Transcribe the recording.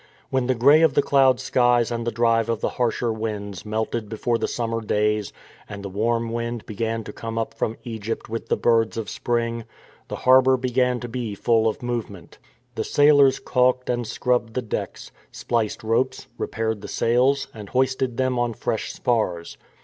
When the grey of the cloud skies and the drive of the harsher winds melted before the sum mer days, and the warm wind began to come up from Egypt with the birds of spring, the harbour began to be full of movement. The sailors caulked and scrubbed the decks, spliced ropes, repaired the sails, and hoisted them on fresh spars.